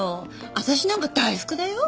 私なんか「大福」だよ。